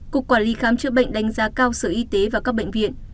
cục quản lý khám chữa bệnh đánh giá cao sở y tế và các bệnh viện